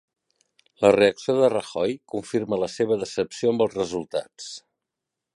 La reacció de Rajoy confirma la seva decepció amb els resultats